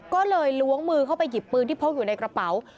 ก็เลยล้วงมือเข้าไปหยิบปืนที่พกอยู่ในกระเป๋า